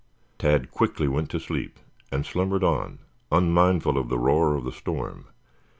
Tad quickly went to sleep and slumbered on unmindful of the roar of the storm.